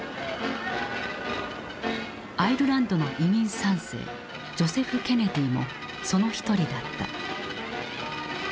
アイルランドの移民３世ジョセフ・ケネディもその一人だった。